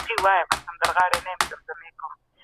که خلګ کار وکړي بريا ترلاسه کېږي.